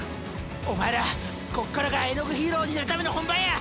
お前らこっからがえのぐヒーローになるための本番や！